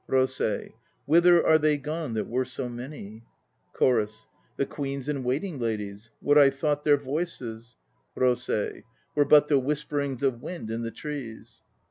ROSEI. Whither are they gone that were so many ... CHORUS. *The queens and waiting ladies? What I thought their voices" ROSEI. Were but the whisperings of wind in the trees.